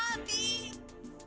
ngerti kan om